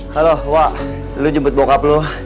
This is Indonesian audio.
halo wak lu jemput bokap lu